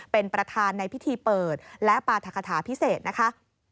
เป็นประธานในพิธีเปิดและปราธคาถาพิเศษนะคะ